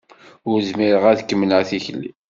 Ur zmireɣ ad kemmleɣ tikli.